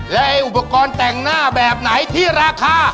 และอุปกรณ์แต่งหน้าแบบไหนที่ราคา